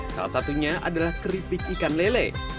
salah satunya adalah keripik ikan lele